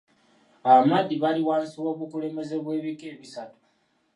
Abamadi bali wansi w'obukulembeze bw'ebika ebisatu.